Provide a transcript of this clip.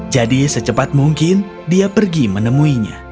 jadi secepat mungkin dia pergi menemuinya